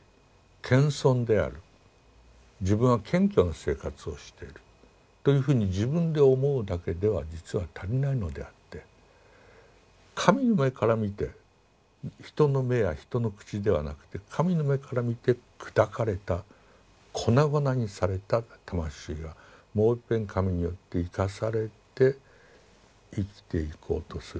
謙遜である自分は謙虚な生活をしているというふうに自分で思うだけでは実は足りないのであって神の目から見て人の目や人の口ではなくて神の目から見て砕かれた粉々にされた魂はもういっぺん神によって生かされて生きていこうとする。